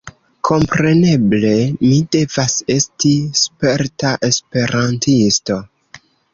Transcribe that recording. Kompreneble, vi devas esti sperta esperantisto